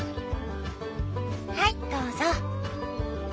「はいどうぞ」。